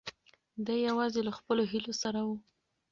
دی یوازې له خپلو هیلو سره و.